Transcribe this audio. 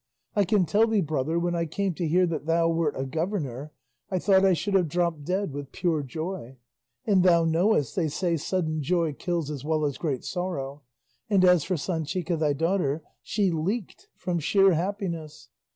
I can tell thee, brother, when I came to hear that thou wert a governor I thought I should have dropped dead with pure joy; and thou knowest they say sudden joy kills as well as great sorrow; and as for Sanchica thy daughter, she leaked from sheer happiness.